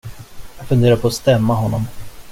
Jag funderar på att stämma honom.